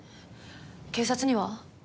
警察には？